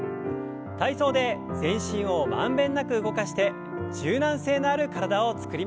体操で全身を満遍なく動かして柔軟性のある体を作りましょう。